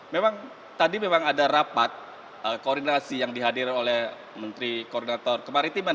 memang tadi memang ada rapat koordinasi yang dihadir oleh menteri koordinator kemaritiman